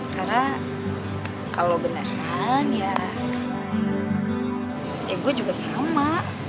karena kalau beneran ya ya gue juga sama